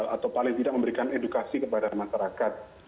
atau paling tidak memberikan edukasi kepada masyarakat